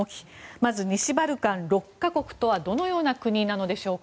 まず西バルカン６か国とはどのような国なのでしょうか。